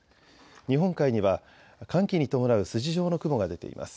日本海には寒気に伴う筋状の雲が出ています。